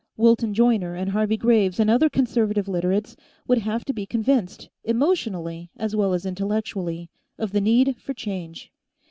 Wilton Joyner and Harvey Graves and the other Conservative Literates would have to be convinced, emotionally as well as intellectually, of the need for change.